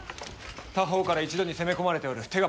多方から一度に攻め込まれておる手が回らぬ！